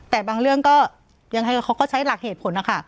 แต่บางเรื่องก็ยังให้เขาเข้าใช้หลักเหตุผล